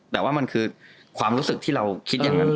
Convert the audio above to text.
แต่ว่ามันคือความรู้สึกที่เราคิดอย่างนั้น